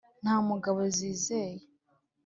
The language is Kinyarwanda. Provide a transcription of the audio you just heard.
Nta mugabo zizeye,